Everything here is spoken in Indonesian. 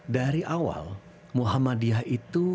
dari awal muhammadiyah itu